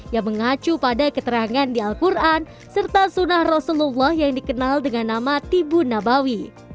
yang mengacu pada keterangan di al quran serta sunnah rasulullah yang dikenal dengan nama tibu nabawi